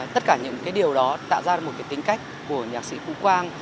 tất cả những cái điều đó tạo ra một cái tính cách của nhạc sĩ phú quang